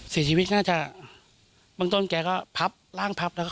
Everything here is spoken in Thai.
เสียชีวิตน่าจะเบื้องต้นแกก็พับร่างพับแล้วก็